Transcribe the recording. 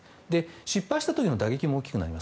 失敗した時の打撃も大きくなります。